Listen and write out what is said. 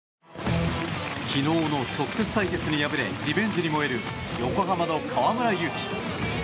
昨日の直接対決に敗れリベンジに燃える横浜の河村勇輝。